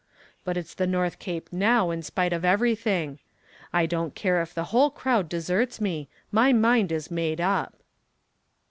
"But it's the North Cape now in spite of everything. I don't care if the whole crowd deserts me, my mind is made up."